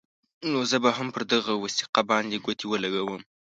نو زه به هم پر دغه وثیقه باندې ګوتې ولګوم.